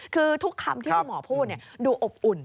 คือทุกคำที่คุณหมอพูดดูอบอุ่น